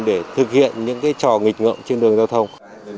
để thực hiện những trò nghịch ngợm trên đường giao thông